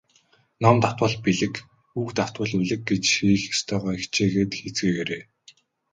Ном давтвал билиг, үг давтвал улиг гэж хийх ёстойгоо хичээгээд хийцгээгээрэй.